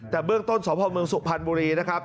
แต่เบื้องต้นสพเมืองสุพรรณบุรีนะครับ